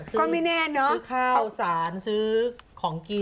ซื้อข้าวสารซื้อของกิน